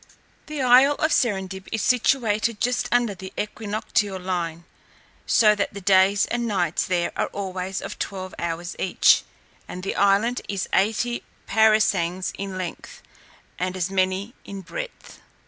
The isle of Serendib is situated just under the equinoctial line; so that the days and nights there are always of twelve hours each, and the island is eighty parasangs in length, and as many in breadth.